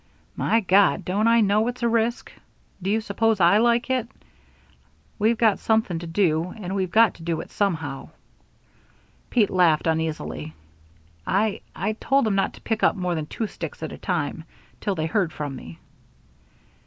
"My God, don't I know it's a risk! Do you suppose I like it? We've got something to do, and we've got to do it somehow." Pete laughed uneasily. "I I told 'em not to pick up more than two sticks at a time till they heard from me."